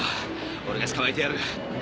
俺が捕まえてやる。